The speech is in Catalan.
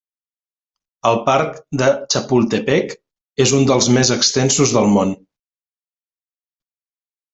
El parc de Chapultepec és un dels més extensos del món.